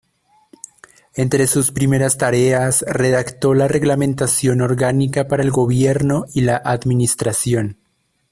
Entre sus primeras tareas, redactó la reglamentación orgánica para el gobierno y la administración.